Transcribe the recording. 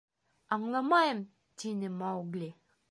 — Аңламайым, — тине Маугли.